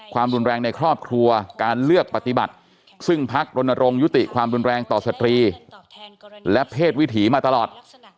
ความรุนแรงในครอบครัวการเลือกปฏิบัติซึ่งพักรณรงค์ยุติความรุนแรงต่อสตรีและเพศวิถีมาตลอด